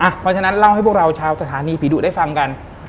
เพราะฉะนั้นเล่าให้พวกเราชาวสถานีผีดุได้ฟังกัน